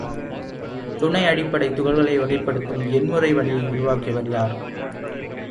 துணை அடிப்படைத் துகள்களை வகைப்படுத்தும் எண்முறை வழியை உருவாக்கியவர் யார்?